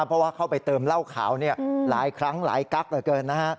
เพราะว่าเข้าไปเติมเหล้าขาวหลายครั้งหลายกั๊กเหลือเกินนะฮะ